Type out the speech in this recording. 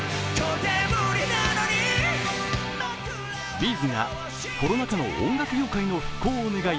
Ｂ’ｚがコロナ禍の音楽業界の復興を願い